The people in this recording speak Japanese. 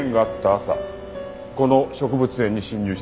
朝この植物園に侵入している。